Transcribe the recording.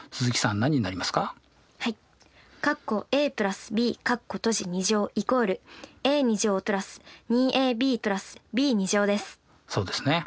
はいそうですね。